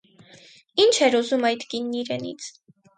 Ի՞նչ էր ուզում այդ կինն իրենից: